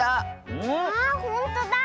あほんとだ！